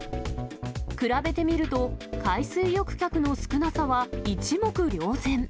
比べてみると、海水浴客の少なさは一目瞭然。